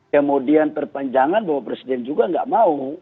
kemudian perpanjangan bahwa presiden juga nggak mau